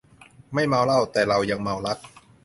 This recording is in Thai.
ไม่เมาเหล้า แล้วแต่เรา ยังเมารัก